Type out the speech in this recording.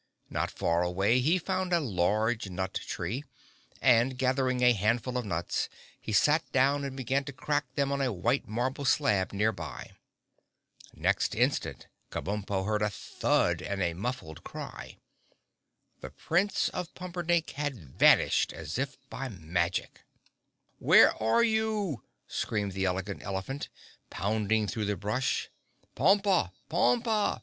Not far away he found a large nut tree and, gathering a handful of nuts, he sat down and began to crack them on a white marble slab near by. Next instant Kabumpo heard a thud and a muffled cry. The Prince of Pumperdink had vanished, as if by magic. "Where are you?" screamed the Elegant Elephant, pounding through the brush. "Pompa! Pompa!